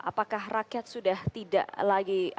apakah rakyat sudah tidak lagi